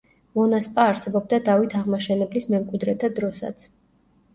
მონასპა არსებობდა დავით აღმაშენებლის მემკვიდრეთა დროსაც.